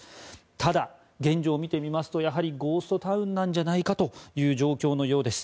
ただ、現状を見てみますとゴーストタウンなんじゃないかという状況のようです。